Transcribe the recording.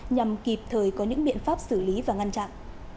nhằm kịp thời có những biện pháp xử lý và ngăn chặn